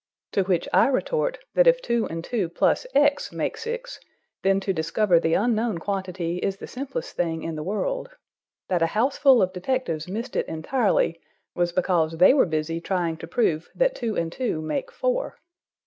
To which I retort that if two and two plus X make six, then to discover the unknown quantity is the simplest thing in the world. That a houseful of detectives missed it entirely was because they were busy trying to prove that two and two make four.